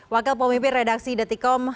wakil pemimpin redaksi detikom